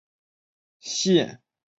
县治奥斯威戈和普瓦斯基。